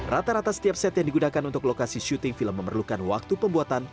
rata rata setiap set yang digunakan untuk lokasi syuting film memerlukan waktu pembuatan